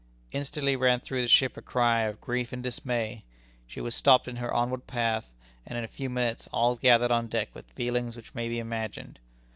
Instantly ran through the ship a cry of grief and dismay. She was stopped in her onward path, and in a few minutes all gathered on deck with feelings which may be imagined.